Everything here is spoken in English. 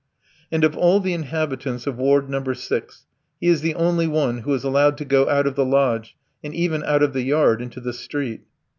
And of all the inhabitants of Ward No. 6, he is the only one who is allowed to go out of the lodge, and even out of the yard into the street.